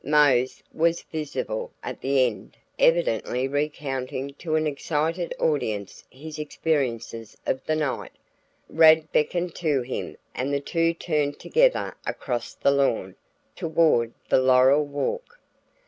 Mose was visible at the end evidently recounting to an excited audience his experiences of the night. Rad beckoned to him and the two turned together across the lawn toward the laurel walk.